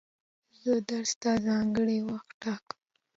زه درس ته ځانګړی وخت ټاکم.